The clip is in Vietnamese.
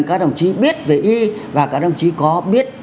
các đồng chí biết về y và các đồng chí có biết